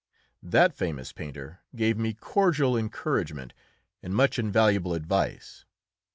That famous painter gave me cordial encouragement and much invaluable advice.